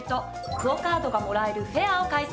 クオカードがもらえるフェアを開催。